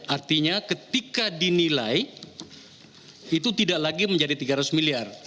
artinya ketika dinilai itu tidak lagi menjadi tiga ratus miliar